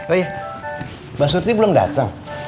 oh iya mbak suti belum datang